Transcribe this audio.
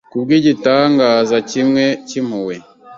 Ku bw’igitangaza kimwe cy’impuhwe,